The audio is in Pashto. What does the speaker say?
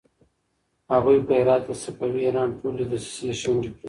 هغوی په هرات کې د صفوي ایران ټولې دسيسې شنډې کړې.